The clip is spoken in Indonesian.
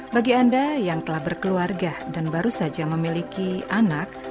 bagi anda yang telah berkeluarga dan baru saja memiliki anak